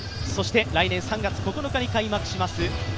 来年３月９日に開幕します